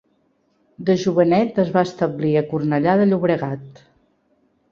De jovenet es va establir a Cornellà de Llobregat.